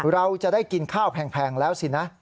เราจะได้กินข้าวแพงแล้วสินะ